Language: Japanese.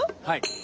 はい。